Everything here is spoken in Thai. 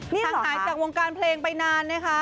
นี่หายจากวงการเพลงไปนานนะคะ